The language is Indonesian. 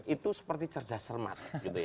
itu seperti cerdas sermat